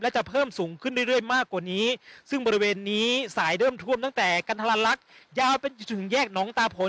และจะเพิ่มสูงขึ้นเรื่อยมากกว่านี้ซึ่งบริเวณนี้สายเริ่มท่วมตั้งแต่กันทรลักษณ์ยาวเป็นจนถึงแยกหนองตาผล